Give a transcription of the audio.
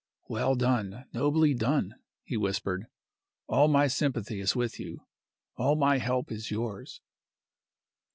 "Well done! Nobly done!" he whispered. "All my sympathy is with you all my help is yours."